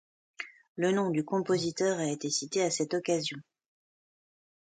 Le nom du compositeur a été cité à cette occasion.